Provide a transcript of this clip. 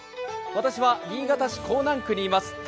私は新潟市江南区にいます。